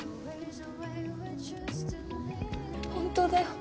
本当だよ。